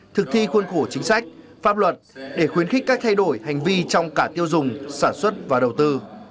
thực thi khuôn khổ chính sách pháp luật để khuyến khích các thay đổi hành vi trong cả tiêu dùng sản xuất và đầu tư